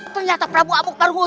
ternyata prabu amuk marhul